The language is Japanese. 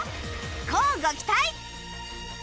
乞うご期待！